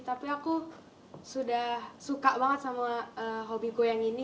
tapi aku sudah suka banget sama hobi gue yang ini